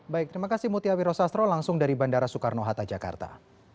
baik terima kasih mutiawi rosastro langsung dari bandara soekarno hatta jakarta